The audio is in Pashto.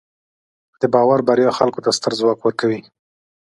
د باور بریا خلکو ته ستر ځواک ورکوي.